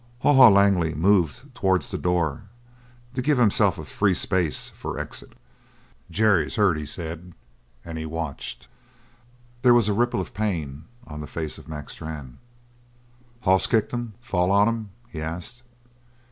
Haw Haw Langley moved towards the door, to give himself a free space for exit. "Jerry's hurt," he said, and he watched. There was a ripple of pain on the face of Mac Strann. "Hoss kicked him fall on him?" he asked.